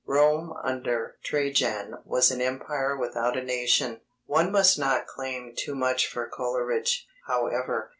Rome under Trajan was an empire without a nation. One must not claim too much for Coleridge, however.